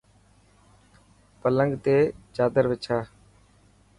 پلنگ تي چادر وڇا.